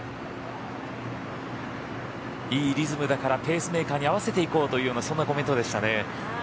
いいリズムだからペースメーカーに合わせていこうというようなそんなコメントでしたね。